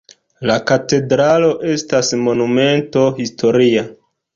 La katedralo estas Monumento historia.